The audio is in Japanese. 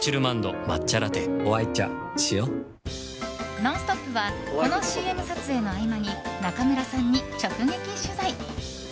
「ノンストップ！」はこのＣＭ撮影の合間に中村さんに直撃取材。